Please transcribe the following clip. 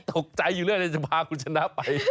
ตกใจอยู่เรื่อยจะพาคุณชนะไป